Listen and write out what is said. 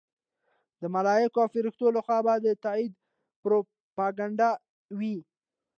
د ملایکو او فرښتو لخوا به د تایید پروپاګند وي.